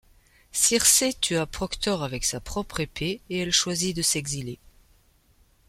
Circé tua Proctor avec sa propre épée, et elle choisit de s'exiler.